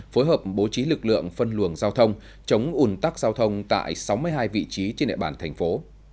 phối hợp bố trí lực lượng phân luồng giao thông chống ủn tắc giao thông tại sáu mươi hai vị trí trên địa bàn thành phố